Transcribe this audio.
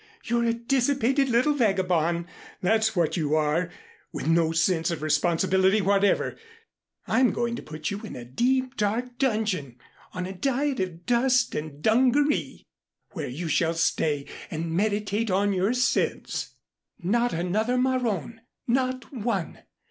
You're a dissipated little vagabond, that's what you are, with no sense of responsibility whatever. I'm going to put you in a deep dark dungeon, on a diet of dust and dungaree, where you shall stay and meditate on your sins. Not another maron not one.